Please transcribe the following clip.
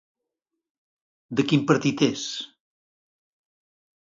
De quin partit és?